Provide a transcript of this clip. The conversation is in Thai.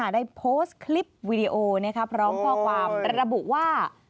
ได้โพสต์คลิปวิดีโอพร้อมข้อความระบุว่า